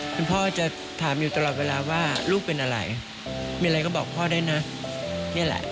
คุณพ่อจะถามอยู่ตลอดเวลาว่าลูกเป็นอะไรมีอะไรก็บอกพ่อได้นะนี่แหละ